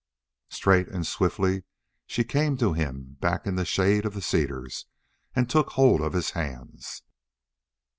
Straight and swiftly she came to him back in the shade of the cedars and took hold of his hands.